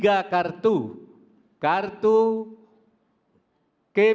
agar membuat negara merupakan gerape chainswell